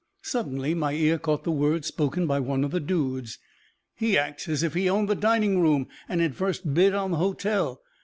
Suddenly my ear caught the words spoken by one of the dudes, "He acts as if he owned the dining room, and had first bid on the hotel."